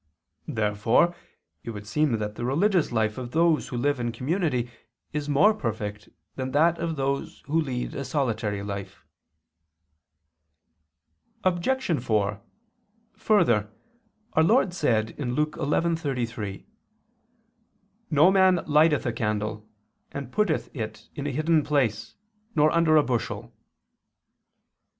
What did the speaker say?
Therefore it would seem that the religious life of those who live in community is more perfect than that of those who lead a solitary life. Obj. 4: Further, our Lord said (Luke 11:33): "No man lighteth a candle and putteth it in a hidden place, nor under a bushel."